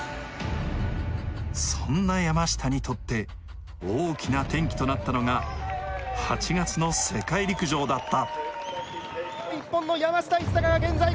そんな山下にとって大きな転機となったのが、８月の世界陸上だった。